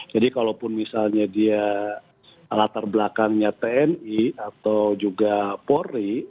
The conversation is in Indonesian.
jadi kalaupun misalnya dia alat terbelakangnya tni atau juga polri